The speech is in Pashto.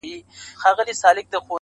د سبا نری شماله د خدای روی مي دی دروړی؛